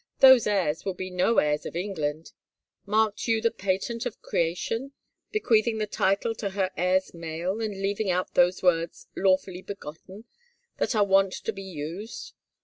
Those heirs will be no heirs of England ! Marked you the patent of creation, bequeathing the title to her heirs male, and leaving out those words, * lawfully begotten,' that are wont to be used?